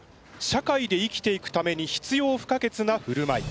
社会で生きていくために必要不可欠なふるまい。